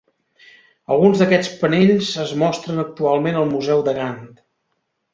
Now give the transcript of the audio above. Alguns d'aquests panells es mostren actualment al museu de Gant.